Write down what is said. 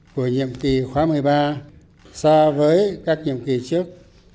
của nhiệm kỳ khóa một mươi ba so với các nhiệm kỳ trước